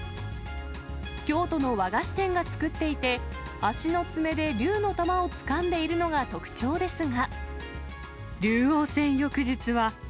京都の和菓子店が作っていて、足の爪で龍の玉をつかんでいるのが特徴ですが。